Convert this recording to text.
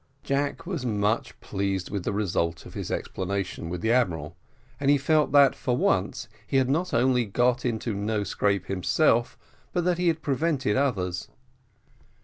Jack was much pleased with the result of his explanation with the admiral, and he felt that, for once, he had not only got into no scrape himself, but that he had prevented others.